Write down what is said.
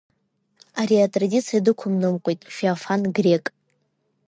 Ари атрадициа дықәымныҟәеит Феофан Грек.